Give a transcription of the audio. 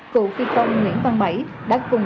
cựu phi công nguyễn văn bảy đã cùng